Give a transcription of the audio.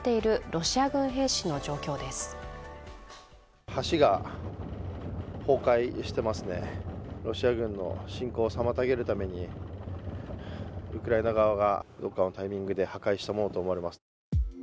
ロシア軍の侵攻を妨げるためにウクライナ側がどこかのタイミングで破壊したものとみられます。